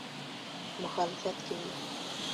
مخالفت کوي.